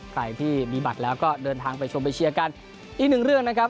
ใครที่มีบัตรแล้วก็เดินทางไปชมไปเชียร์กันอีกหนึ่งเรื่องนะครับ